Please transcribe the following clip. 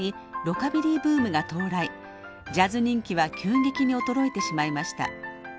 ジャズ人気は急激に衰えてしまいました。